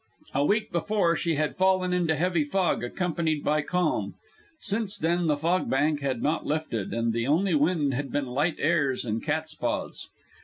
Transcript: A week before she had fallen into a heavy fog accompanied by calm. Since then the fog bank had not lifted, and the only wind had been light airs and catspaws.